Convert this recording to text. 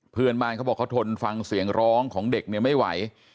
เพื่อนบ้านเขาบอกเขาทนฟังเสียงร้องของเด็กไม่ไหว